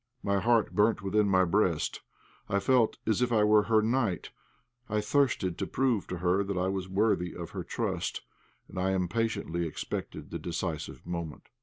My heart burnt within my breast; I felt as if I were her knight; I thirsted to prove to her that I was worthy of her trust, and I impatiently expected the decisive moment.